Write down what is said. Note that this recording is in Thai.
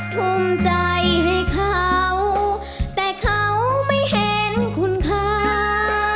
ภูมิใจให้เขาแต่เขาไม่เห็นคุณค่า